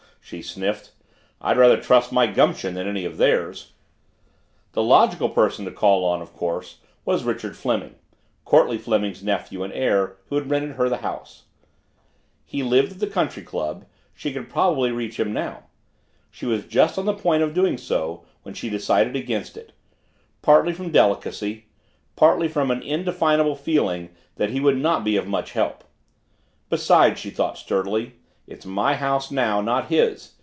she sniffed, "I'd rather trust my gumption than any of theirs." The logical person to call on, of course, was Richard Fleming, Courtleigh Fleming's nephew and heir, who had rented her the house. He lived at the country club she could probably reach him now. She was just on the point of doing so when she decided against it partly from delicacy, partly from an indefinable feeling that he would not be of much help. Besides, she thought sturdily, it's my house now, not his.